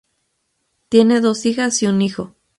Tiene dos hijas y un hijo.